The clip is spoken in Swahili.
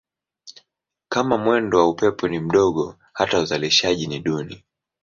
Kama mwendo wa upepo ni mdogo hata uzalishaji ni duni.